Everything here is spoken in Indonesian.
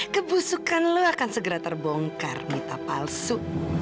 kebusukan lo akan segera terbongkar minta palsu